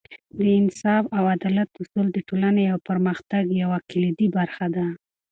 د انصاف او عدالت اصول د ټولنې پرمختګ یوه کلیدي برخه ده.